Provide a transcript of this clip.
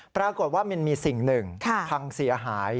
ปรากฏว่ามันมีสิ่งหนึ่งพังเสียหาย